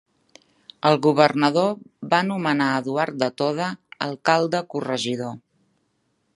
El governador va nomenar Eduard de Toda alcalde-corregidor.